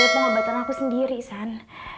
biaya pengobatan aku sendiri san